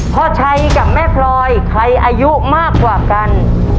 พ่อชัยกับแม่พลอยใครอายุมากกว่ากัน